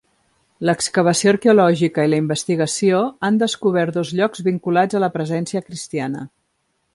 L'excavació arqueològica i la investigació han descobert dos llocs vinculats a la presència cristiana.